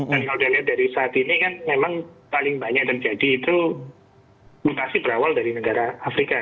dan kalau dilihat dari saat ini kan memang paling banyak terjadi itu mutasi berawal dari negara afrika